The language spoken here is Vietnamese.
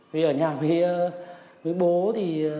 vì ở nhà với bố thì